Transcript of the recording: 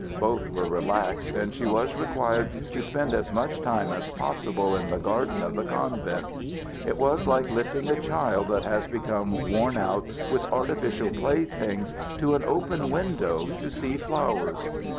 Both were relaxed, and she was required to spend as much time as possible in the garden of the convent It was like lifting a child that has become worn out with artificial playthings to an open window to see the flowers.